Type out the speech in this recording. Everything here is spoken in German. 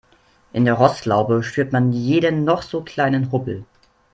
In der Rostlaube spürt man jeden noch so kleinen Hubbel.